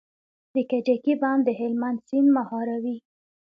د کجکي بند د هلمند سیند مهاروي